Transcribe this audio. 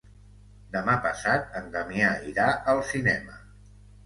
Demà passat en Damià irà al cinema.